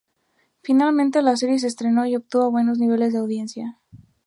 Finalmente la serie se estrenó y obtuvo buenos niveles de audiencia.